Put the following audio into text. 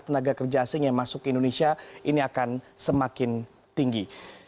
tenaga kerja asing yang masuk ke indonesia ini akan semakin tinggi